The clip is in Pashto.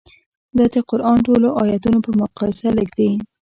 دا د قران ټولو ایتونو په مقایسه لږ دي.